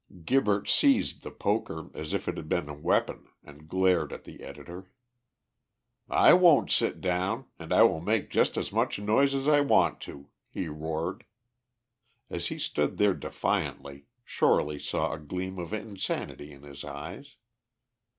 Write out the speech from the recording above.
Gibberts seized the poker as if it had been a weapon, and glared at the editor. "I won't sit down, and I will make just as much noise as I want to," he roared. As he stood there defiantly, Shorely saw a gleam of insanity in his eyes.